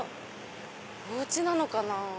おうちなのかな？